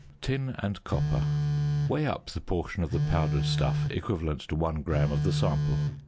~Tin and Copper.~ Weigh up the portion of the powdered stuff equivalent to 1 gram of the sample.